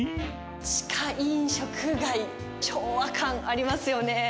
地下飲食街、昭和感ありますよね。